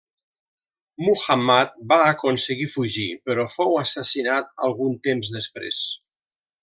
Muhammad va aconseguir fugir, però fou assassinat algun temps després.